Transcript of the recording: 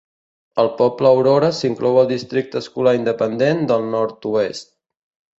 El poble Aurora s'inclou al districte escolar independent del nord-oest.